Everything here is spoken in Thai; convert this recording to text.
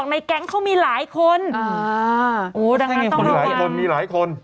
เป็นสาขาเหรอคะ